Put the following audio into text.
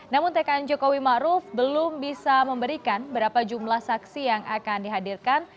namun tkn jokowi ⁇ maruf ⁇ belum bisa memberikan berapa jumlah saksi yang akan dihadirkan